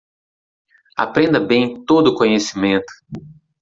Aprenda bem todo o conhecimento